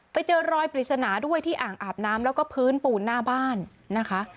ไปเจอรอยปริศนาด้วยที่อ่างอาบน้ำแล้วก็พื้นปูนหน้าบ้านนะคะ